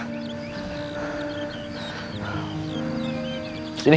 di bunyi gumi